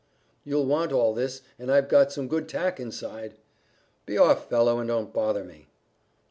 "You'll want all this, and I've got some good tack inside." "Be off, fellow, and don't bother me."